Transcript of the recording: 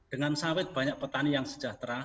dengan sawit banyak petani yang sejahtera